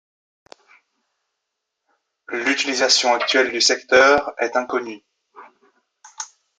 L'utilisation actuelle du secteur est inconnue.